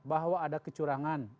bahwa ada kecurangan